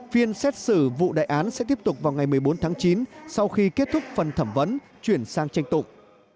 phiên xét xử vụ đại án sẽ tiếp tục vào ngày một mươi bốn tháng chín sau khi kết thúc phần thẩm vấn chuyển sang tranh tụng